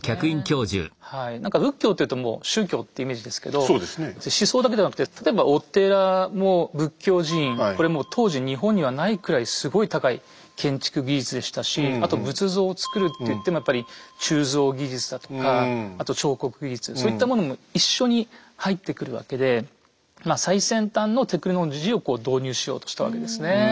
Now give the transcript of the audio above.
何か仏教っていうともう宗教ってイメージですけど思想だけではなくて例えばお寺も仏教寺院これもう当時日本にはないくらいすごい高い建築技術でしたしあと仏像をつくるっていってもやっぱり鋳造技術だとかあと彫刻技術そういったものも一緒に入ってくるわけでまあ最先端のテクノロジーを導入しようとしたわけですね。